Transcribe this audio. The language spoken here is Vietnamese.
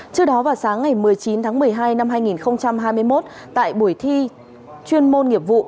trước đó vào sáng ngày một mươi chín tháng một mươi hai năm hai nghìn hai mươi một tại buổi thi chuyên môn nghiệp vụ